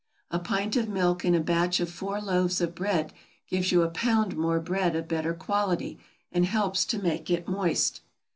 A pint of milk in a batch of four loaves of bread gives you a pound more bread of better quality, and helps to make it moist.